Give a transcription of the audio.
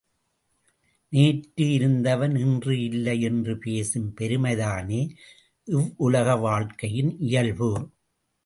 நேற்று இருந்தவன் இன்று இல்லை என்று பேசும் பெருமைதானே இவ்வுலக வாழ்க்கையின் இயல்பு.